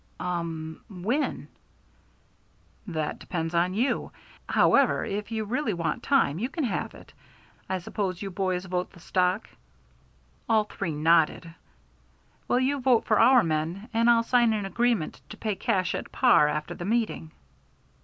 "Um when?" "That depends on you. However, if you really want time, you can have it. I suppose you boys vote the stock?" All three nodded. "Well, you vote for our men, and I'll sign an agreement to pay cash at par after the meeting."